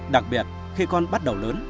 đặc biệt khi con bắt đầu lớn